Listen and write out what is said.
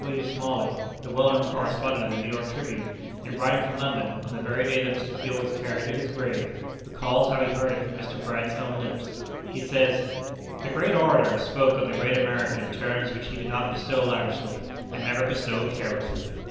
G. W. Smalley, the well known correspondent of the New York Tribune, in writing from London, on the very day that Mr. Field was carried to his grave, recalls how he heard it from Mr. Bright's own lips. He says: "The great orator spoke of the great American in terms which he did not bestow lavishly, and never bestowed carelessly.